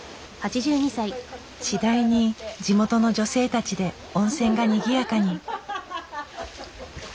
次第に地元の女性たちで温泉がにぎやかに。